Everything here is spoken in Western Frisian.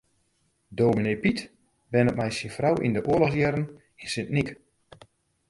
Dominee Pyt wennet mei syn frou yn de oarlochsjierren yn Sint Nyk.